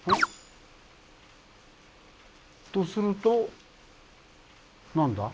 とすると何だ？